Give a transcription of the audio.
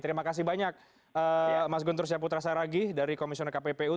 terima kasih banyak mas guntur syaputra saragih dari komisioner kppu